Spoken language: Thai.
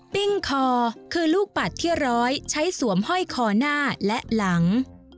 ปิ้งคอคือลูกปัดที่ร้อยใช้สวมห้อยคอหน้าและหลัง